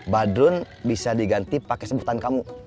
badrun bisa diganti pakai sebutan kamu